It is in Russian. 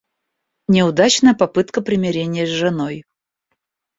Неудачная попытка примирения с женой.